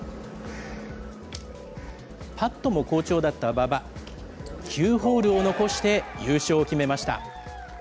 パットも好調だった馬場、９ホールを残して、優勝を決めました。